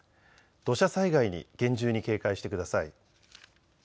土砂災害に厳重に警戒してください。